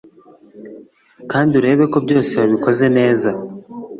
kandi urebe ko byose wabikoze neza